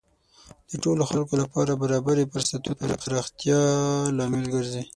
د ټولو خلکو لپاره برابرې فرصتونه د پراختیا لامل ګرځي.